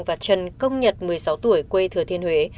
và trần công nhật một mươi sáu tuổi quê thừa thiên huế